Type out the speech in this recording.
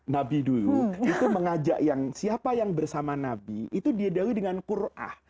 nabi dulu itu mengajak siapa yang bersama nabi itu dia dari dengan qur'ah